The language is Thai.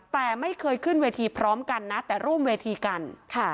แต่ไม่เคยขึ้นเวทีพร้อมกันนะแต่ร่วมเวทีกันค่ะ